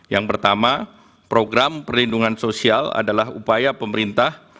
yang pertama program perlindungan sosial adalah upaya pemerintah